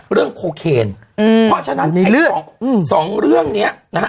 เรื่องโคเคนเพราะฉะนั้นไอ้สองสองเรื่องเนี้ยนะฮะ